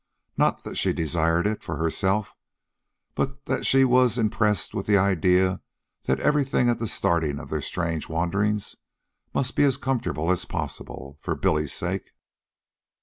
Not that she desired it for herself, but that she was impressed with the idea that everything at the starting of their strange wandering must be as comfortable as possible for Billy's sake.